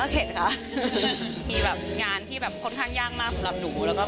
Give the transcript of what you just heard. เป็นงานที่โคตรข้างย่างมากสำหรับหนู